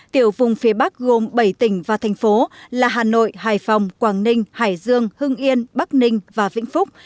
tiểu vùng phía bắc gồm bảy tỉnh và thành phố là hà nội hải phòng quảng ninh hải dương hưng yên bắc ninh và vĩnh phúc